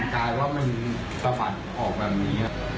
การว่ามันประฝันออกแบบนี้